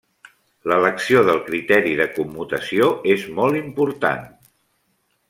L'elecció del criteri de commutació és molt important.